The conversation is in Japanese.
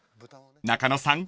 ［中野さん